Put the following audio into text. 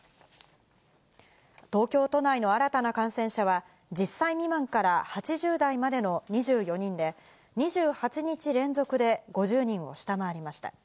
東京都内の新たな感染者は、１０歳未満から８０代までの２４人で、２８日連続で５０人を下回りました。